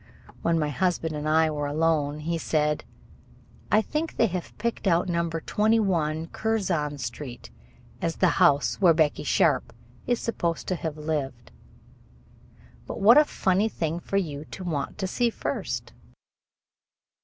When my husband and I were alone he said: "I think they have picked out No. 21 Curzon Street as the house where Becky Sharp is supposed to have lived. But what a funny thing for you to want to see first!"